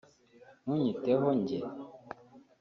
“Ntunyiteho njye